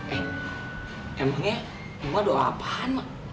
eh emangnya amah doa apaan mbak